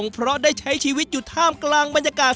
เพราะได้ใช้ชีวิตอยู่ท่ามกลางบรรยากาศ